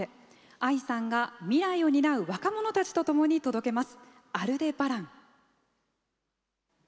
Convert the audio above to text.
ＡＩ さんが未来を担う若者たちとともに届けます。